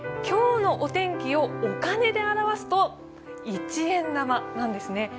今日のお天気をお金で表すと一円玉なんですね。